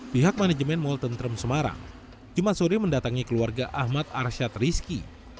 pihak manajemen mall tentrum semarang jumat sore mendatangi keluarga ahmad arsyad rizki